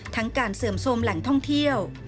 ทั้งการเสื่อมโทรมแหล่งท่องเที่ยว